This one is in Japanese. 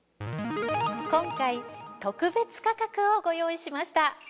今回特別価格をご用意しました。